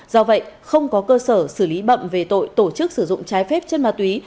do vậy không có cơ sở xử lý bậm về tội tổ chức sử dụng trái phép chất ma túy